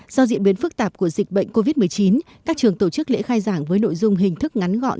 do diễn biến phức tạp của dịch bệnh covid một mươi chín các trường tổ chức lễ khai giảng với nội dung hình thức ngắn gọn